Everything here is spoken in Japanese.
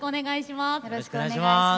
よろしくお願いします。